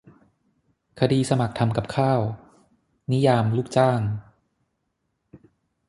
คดีสมัครทำกับข้าว-นิยาม "ลูกจ้าง"